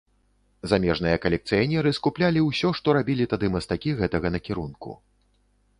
Замежныя калекцыянеры скуплялі ўсё, што рабілі тады мастакі гэтага накірунку.